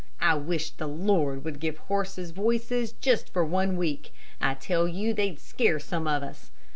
I wish the Lord would give horses voices just for one week. I tell you they'd scare some of us.